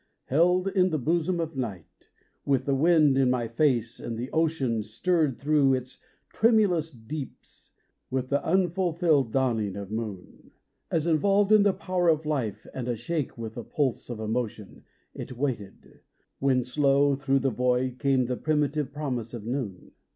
Held in the bosom of night, with the wind in my face, and the ocean Stirred thro' its tremulous deeps with the unfulfilled dawn ing of moon, 36 THE GATES OF LIFE As involved in the power of life and ashake with the pulse of emotion It waited, when slow thro' the void came the primitive promise of noon.